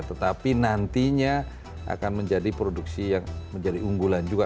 tetapi nantinya akan menjadi produksi yang menjadi unggulan juga